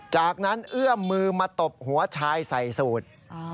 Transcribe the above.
จากนั้นเอื้อมมือมาตบหัวชายใส่สูตร